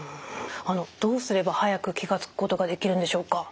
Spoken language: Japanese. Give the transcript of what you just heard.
どうすれば早く気が付くことができるんでしょうか？